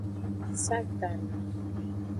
Satana.